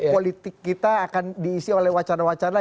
politik kita akan diisi oleh wacana wacana